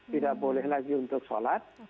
tidak boleh lagi untuk sholat